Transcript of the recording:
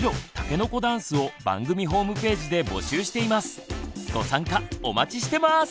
番組ではご参加お待ちしてます！